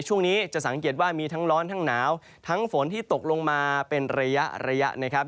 ช่วงนี้จะสังเกตว่ามีทั้งร้อนทั้งหนาวทั้งฝนที่ตกลงมาเป็นระยะระยะนะครับ